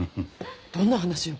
どんな話よ？